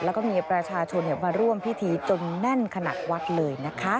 แล้วก็มีประชาชนมาร่วมพิธีจนแน่นขนาดวัดเลยนะคะ